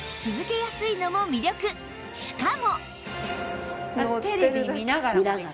しかも！